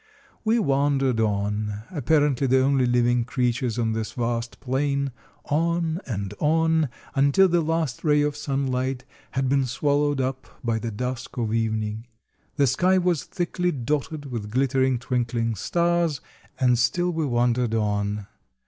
We wandered on, apparently the only living creatures on this vast plain—on and on, until the last ray of sunlight had been swallowed up by the dusk of evening. The sky was thickly dotted with glittering, twinkling stars, and still we wandered on.